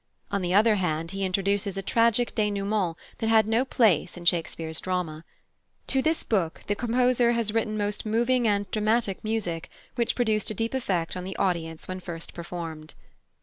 On the other hand, he introduces a tragic dénouement that had no place in Shakespeare's drama. To this book the composer has written most moving and dramatic music, which produced a deep effect on the audience when first performed.